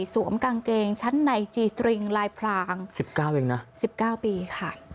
สวมกางเกงชั้นในจีสตริงลายพรางสิบเก้าเองนะสิบเก้าปีค่ะ